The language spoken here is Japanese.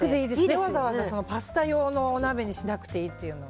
わざわざパスタ用にお鍋にしなくていいのが。